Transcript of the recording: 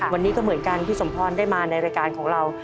วันนี้ก็เหมือนกันพี่สมพรได้มาในรายการของเรา